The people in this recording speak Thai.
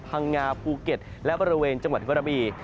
พังงาภูเก็ตและบริเวณจังหวัดกระบี